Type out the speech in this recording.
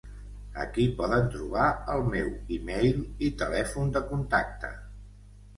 Aquí poden trobar el meu e-mail i telèfon de contacte